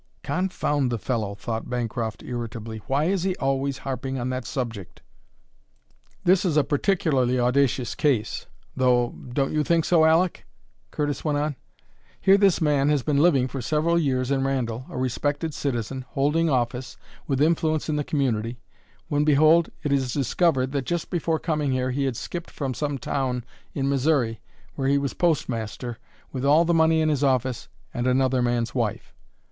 "Confound the fellow," thought Bancroft irritably, "why is he always harping on that subject!" "This is a particularly audacious case, though don't you think so, Aleck?" Curtis went on. "Here this man has been living for several years in Randall, a respected citizen, holding office, with influence in the community, when, behold, it is discovered that just before coming here he had skipped from some town in Missouri, where he was postmaster, with all the money in his office and another man's wife.